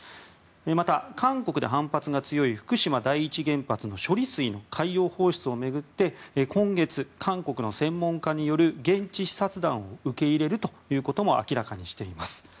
また、韓国で反発が強い福島第一原発の処理水の海洋放出を巡って今月韓国の専門家による現地視察団を受け入れるということも明らかにしています。